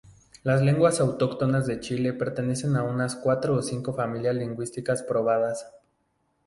Las lenguas autóctonas de Chile pertenecen a unas cuatro o cinco familias lingüísticas probadas.